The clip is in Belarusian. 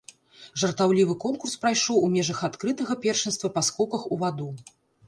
Жартаўлівы конкурс прайшоў у межах адкрытага першынства па скоках у ваду.